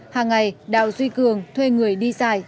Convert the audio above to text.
hàng ngày đào duy cường thuê người đi dài